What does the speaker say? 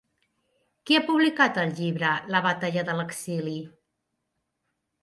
Qui ha publicat el llibre La batalla de l'exili?